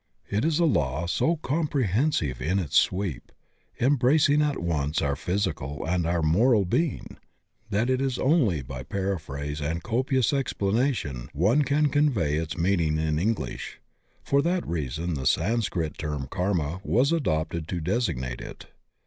It is a law so com prehensive in its sweep, embracing at once our physi cal and our moral being, that it is only by paraphrase and copious explanation one can convey its meaning in Engfish. For that reason the Sanscrit term Karma was adopted to designate it.